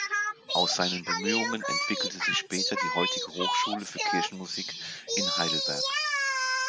Aus seinen Bemühungen entwickelte sich später die heutige Hochschule für Kirchenmusik in Heidelberg.